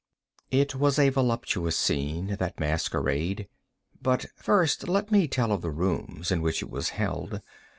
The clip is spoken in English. It was a voluptuous scene, that masquerade. But first let me tell of the rooms in which it was held.